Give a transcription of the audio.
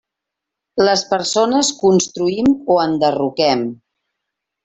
Les persones construïm o enderroquem.